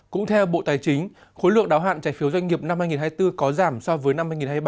cũng theo bộ tài chính khối lượng đáo hạn trái phiếu doanh nghiệp năm hai nghìn hai mươi bốn có giảm so với năm hai nghìn hai mươi ba